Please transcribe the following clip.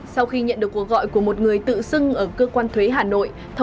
sau khi nhận được cuộc gọi của một người tự xưng ở cơ quan thuế hà nội